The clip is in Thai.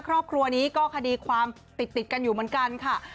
ครอบครัวนี้ก็คดีความติดกันอยู่เหมือนกันค่ะ